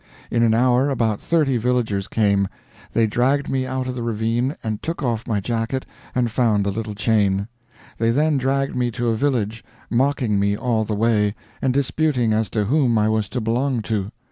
In an hour, about thirty villagers came, they dragged me out of the ravine, and took off my jacket, and found the little chain. They then dragged me to a village, mocking me all the way, and disputing as to whom I was to belong to.